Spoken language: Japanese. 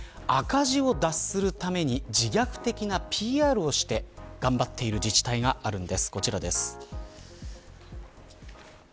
その中で、赤字を脱するために自虐的なＰＲをして頑張っている自治体があるんです。